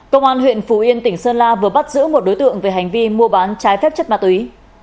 công an huyện phú yên tỉnh sơn la vừa bắt giữ một đối tượng về hành vi mua bán trái phép chất ma túy